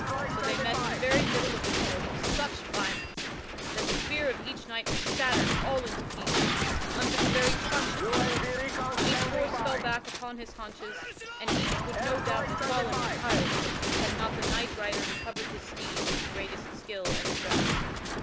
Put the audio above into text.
So they met in the very middle of the course with such violence that the spear of each knight was shattered all into pieces unto the very truncheon thereof. Each horse fell back upon his haunches, and each would no doubt, have fallen entirely, had not the knight rider recovered his steed with the greatest skill and address.